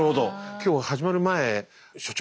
今日始まる前「所長